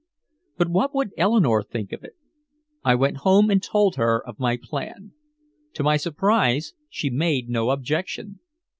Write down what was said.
But what would Eleanore think of it? I went home and told her of my plan. To my surprise she made no objection.